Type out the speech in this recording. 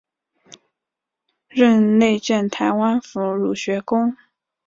任内建台湾府儒学宫。